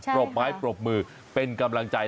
รบไม้ปรบมือเป็นกำลังใจ